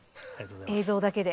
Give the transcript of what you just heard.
映像だけで。